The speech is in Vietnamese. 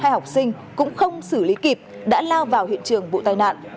hai học sinh cũng không xử lý kịp đã lao vào hiện trường vụ tai nạn